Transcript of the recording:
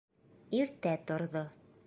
Иртә торҙо.